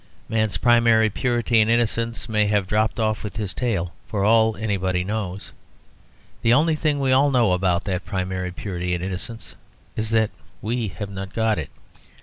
Man's primary purity and innocence may have dropped off with his tail, for all anybody knows. The only thing we all know about that primary purity and innocence is that we have not got it.